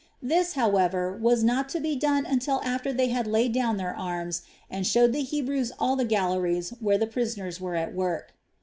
This, however, was not to be done until after they had laid down their arms and showed the Hebrews all the galleries where the prisoners were at work.